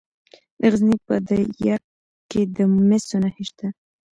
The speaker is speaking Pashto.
د غزني په ده یک کې د مسو نښې شته.